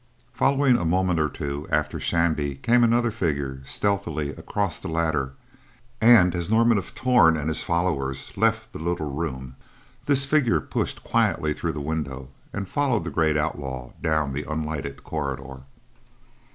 Following a moment or two after Shandy came another figure stealthily across the ladder and, as Norman of Torn and his followers left the little room, this figure pushed quietly through the window and followed the great outlaw down the unlighted corridor.